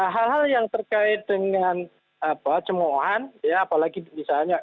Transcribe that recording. hal hal yang terkait dengan cemohan ya apalagi misalnya